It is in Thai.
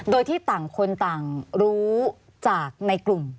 โดยที่ต่างคนต่างรู้จากในกลุ่ม